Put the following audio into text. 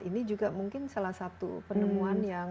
ini juga mungkin salah satu penemuan yang